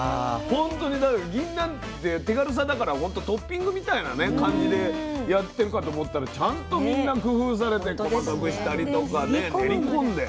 本当にぎんなんって手軽さだからほんとトッピングみたいな感じでやってるかと思ったらちゃんとみんな工夫されて細かくしたりとかね練り込んで。